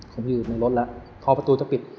ผมอยู่ในรถแล้วพอประตูจะปิด